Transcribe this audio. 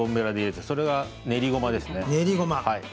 それは、練りごまです。